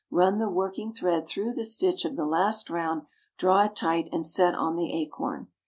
Run the working thread through the st. of the last round, draw it tight, and set on the acorn.